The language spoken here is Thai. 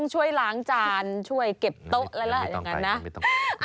ช่วยล้างจานช่วยเก็บโต๊ะแล้วล่ะอย่างนั้นนะ